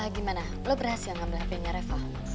gimana lo berhasil ngambil hp nya reva